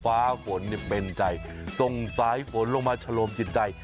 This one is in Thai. ฟ้าฝนเป็นใจส่งสายฝนลงมาชะลมจิตใจ